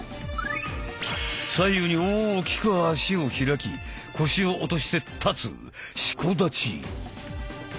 左右に大きく足を開き腰を落として立つ「四股立ち」。